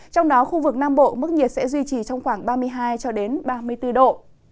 trong đó khu vực nam bộ mức nhiệt sẽ duy trì trong khoảng ba mươi hai cho đến ba mươi bốn độ